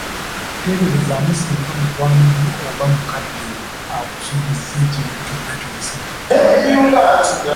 Teeberezaamu singa mukwano gwo oba mukadde wo akusuubizza ekintu kyonna kyosinga okwagala.